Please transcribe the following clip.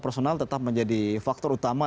personal tetap menjadi faktor utama